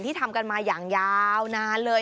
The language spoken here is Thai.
ทำกันมาอย่างยาวนานเลย